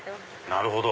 なるほど。